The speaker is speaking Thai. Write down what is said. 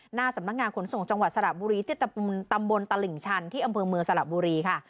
หน้าสำนักงานขนส่งจังหวัดสระบุรีที่ตำบลตลิ่งชันที่อำเภอเมืองสระบุรีค่ะ